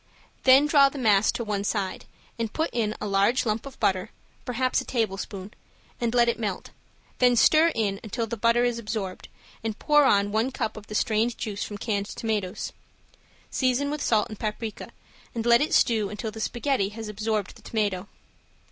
Then draw the mass to one side and put in a large lump of butter, perhaps a tablespoon, and let it melt, then stir in until the butter is absorbed, and pour on one cup of the strained juice from canned tomatoes. Season with salt and paprika, and let it stew until the spaghetti has absorbed the tomato.